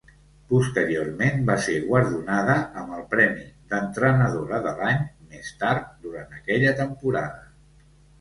Posteriorment va ser guardonada amb el premi d'"Entrenadora de l'any" més tard durant aquella temporada.